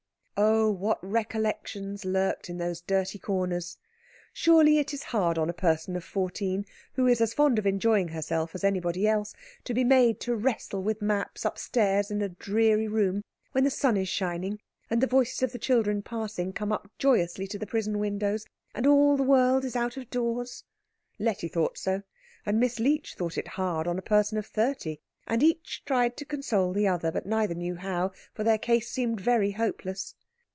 Oh, what recollections lurked in those dirty corners! Surely it is hard on a person of fourteen, who is as fond of enjoying herself as anybody else, to be made to wrestle with maps upstairs in a dreary room, when the sun is shining, and the voices of the children passing come up joyously to the prison windows, and all the world is out of doors! Letty thought so, and Miss Leech thought it hard on a person of thirty, and each tried to console the other, but neither knew how, for their case seemed very hopeless.